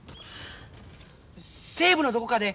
「西部のどこかで」